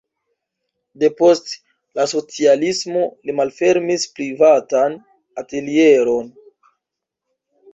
Depost la socialismo li malfermis privatan atelieron.